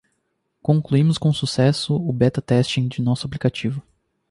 Concluímos com sucesso o beta testing de nosso aplicativo.